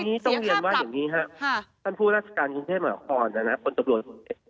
อันนี้ต้องเรียนว่าอย่างนี้ครับท่านผู้ราชการกรุงเทพมหานครพลตำรวจ